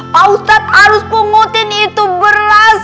pak ustadz harus pengotin itu beras